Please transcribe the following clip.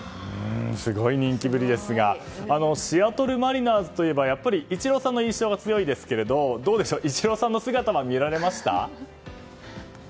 すごい人気ぶりですがシアトル・マリナーズといえばやっぱりイチローさんの印象が強いですけどイチローさんの姿は見られました？